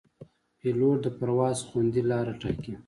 پیلوټ د پرواز خوندي لاره ټاکي.